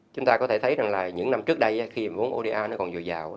chúng ta có thể thấy rằng là những năm trước đây khi mà vốn oda nó còn dồi dào